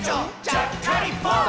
ちゃっかりポン！」